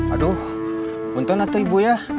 aduh bentar ibu